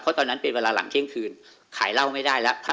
เพราะตอนนั้นเป็นเวลาหลังเที่ยงคืนขายเหล้าไม่ได้แล้ว